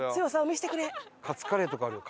カツカレーとかあるよ